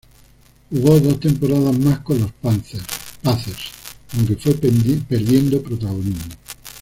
Jugó dos temporadas más con los Pacers, aunque fue perdiendo protagonismo.